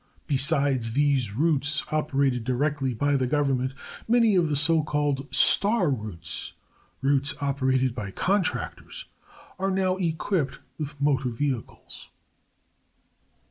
Besides these routes operated directly by the Government, many of the so called "star routes" (routes operated by contractors) are now equipped with motor vehicles.